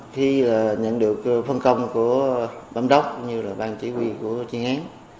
khi nhận được phân công của bám đốc như là ban chỉ huy của chuyên án